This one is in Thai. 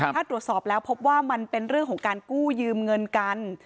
ถ้าตรวจสอบแล้วพบว่ามันเป็นเรื่องของการกู้ยืมเงินกัน